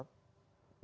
untuk mendapatkan hak